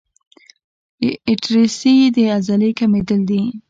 د ایټریسي د عضلې کمېدل دي.